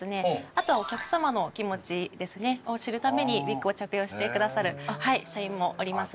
あとはお客様のお気持ちですねを知るためにウィッグを着用してくださる社員もおります。